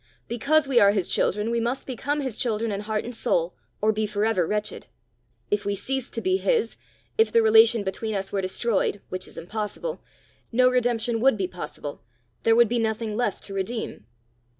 Because we are his children, we must become his children in heart and soul, or be for ever wretched. If we ceased to be his, if the relation between us were destroyed, which is impossible, no redemption would be possible, there would be nothing left to redeem."